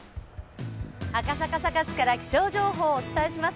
赤坂サカスから気象情報をお伝えします。